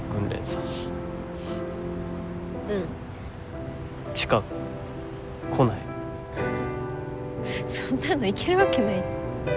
そんなの行けるわけない。